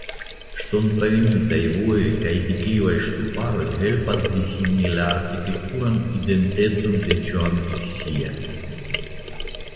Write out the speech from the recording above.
Ŝtonpavimitaj vojoj kaj deklivaj ŝtuparoj helpas difini la arkitekturan identecon de Ĉuandiksia.